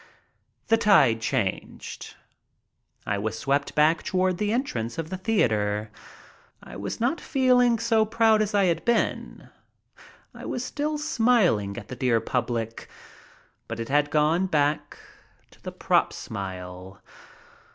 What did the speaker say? The tide changed. I was swept back toward the entrance of the theater. I was not feeling so proud as I had been. I was still smiling at the dear public, but it had gone back to the "prop" smile.